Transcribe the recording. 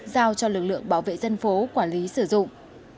giao cho lực lượng bảo vệ dân phố quản lý sử dụng